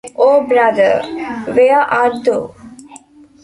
O Brother, Where Art Thou?